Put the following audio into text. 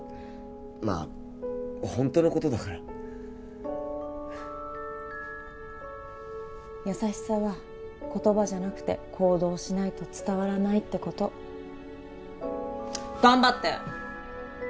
まあホントのことだから優しさは言葉じゃなくて行動しないと伝わらないってこと頑張って！